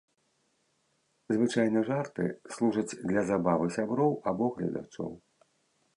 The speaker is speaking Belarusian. Звычайна жарты служаць для забавы сяброў або гледачоў.